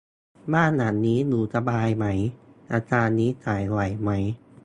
บ้านหลังนี้อยู่สบายไหม ราคานี้จ่ายไหวไหม